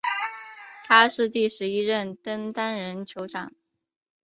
他是第十一任登丹人酋长。